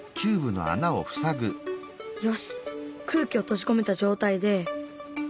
よし空気を閉じ込めた状態で。